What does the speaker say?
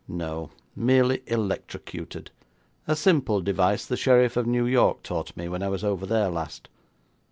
'No, merely electrocuted. A simple device the Sheriff of New York taught me when I was over there last.'